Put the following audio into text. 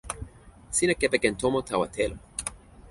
sina kepeken tomo tawa telo.